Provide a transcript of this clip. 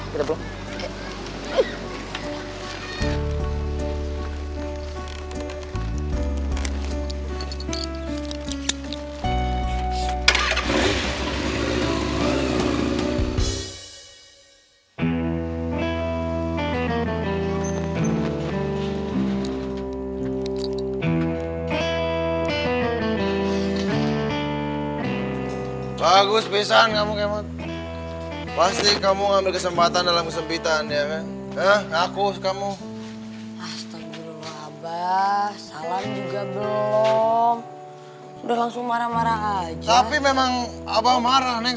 yuk kita pulang